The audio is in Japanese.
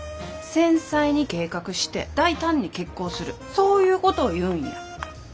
繊細に計画して大胆に決行するそういうことを言うんや。